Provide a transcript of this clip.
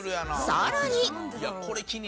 さらに